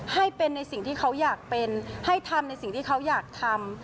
ให้เป็นในสิ่งที่เขาอยากเป็นให้ทำในสิ่งที่เขาอยากทำ